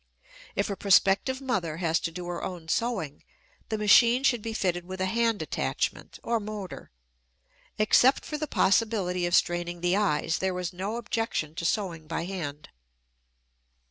If a prospective mother has to do her own sewing, the machine should be fitted with a hand attachment or motor. Except for the possibility of straining the eyes, there is no objection to sewing by hand.